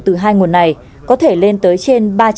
từ hai nguồn này có thể lên tới trên